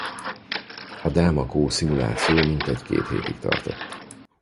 A Delmak-O szimuláció mintegy két hétig tartott.